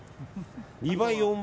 ２倍、４倍。